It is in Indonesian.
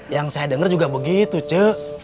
yang saya dengar juga begitu cek